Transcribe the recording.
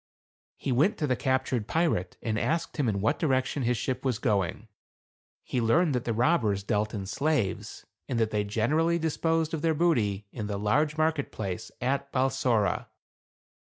He went to the captured pirate and asked him in what direction his ship was going. He learned that the robbers dealt in slaves, and that they generally disposed of their booty in the large market place at Balsora.